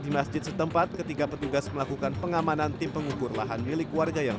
di masjid setempat ketika petugas melakukan pengamanan tim pengukur lahan milik warga yang